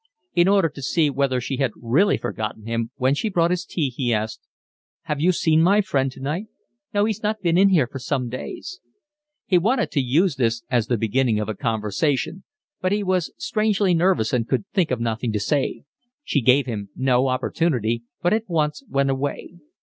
In order to see whether she had really forgotten him, when she brought his tea, he asked: "Have you seen my friend tonight?" "No, he's not been in here for some days." He wanted to use this as the beginning of a conversation, but he was strangely nervous and could think of nothing to say. She gave him no opportunity, but at once went away.